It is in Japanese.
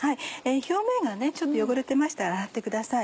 表面がちょっと汚れてましたら洗ってください。